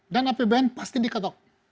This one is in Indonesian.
dan apbn pasti diketok